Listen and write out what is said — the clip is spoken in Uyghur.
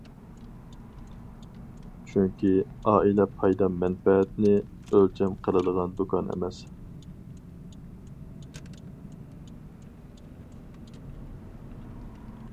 چۈنكى، ئائىلە پايدا- مەنپەئەتنى ئۆلچەم قىلىدىغان دۇكان ئەمەس.